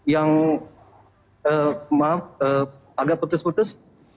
yang maaf agak putus putus